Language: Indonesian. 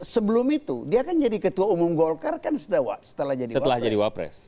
sebelum itu dia kan jadi ketua umum golkar kan setelah jadi wapres